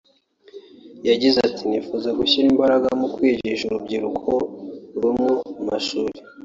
yagize ati ʺNifuza gushyira imbaraga mu kwigisha urubyiruko rwo mu mashuri